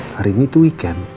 hari ini itu weekend